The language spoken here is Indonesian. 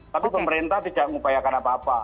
tapi pemerintah tidak mengupayakan apa apa